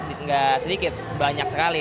sedikit nggak sedikit banyak sekali